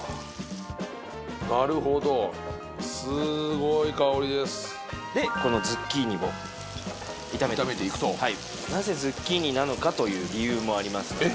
なるほどすごい香りですでこのズッキーニを炒める炒めていくとなぜズッキーニなのかという理由もありますからね